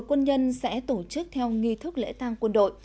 một mươi một quân nhân sẽ tổ chức theo nghi thức lễ tàng quân đội